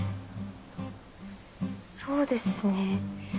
そうですね